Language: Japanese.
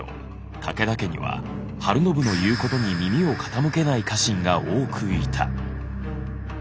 武田家には晴信の言うことに耳を傾けない家臣が多くいた。